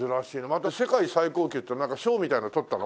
また世界最高級って賞みたいなの取ったの？